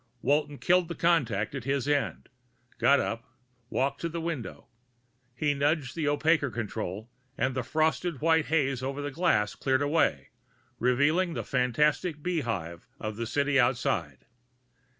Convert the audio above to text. Walton killed the contact at his end, got up, walked to the window. He nudged the opaquer control and the frosty white haze over the glass cleared away, revealing the fantastic beehive of the city outside.